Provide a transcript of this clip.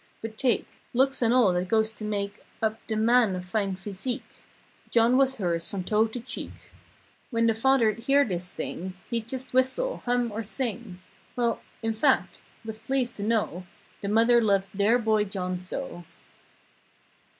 But take Lx)oks and all that goes to make Up the man of fine physique John was hers from toe to cheek. When the father'd hear this thing He'd just whistle, hum or sing— Well—in fact—was pleased to know The mother loved their boy John so.)